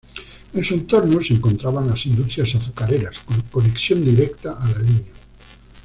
En su entorno se encontraban las industrias azucareras con conexión directa a la línea.